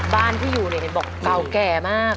บ้านที่อยู่ในบอกเก่าแก่มาก